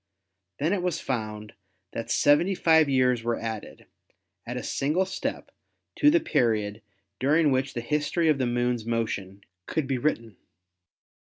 Then it was found that seventy five years were added, at a single step, to the period during which the history of the Moon's motion could be written.